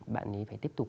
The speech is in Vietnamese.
bạn ấy phải tiếp tục